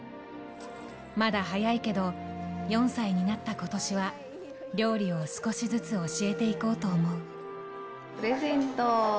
まだ早いけど、４歳になったことしは、料理を少しずつ教えていこプレゼント。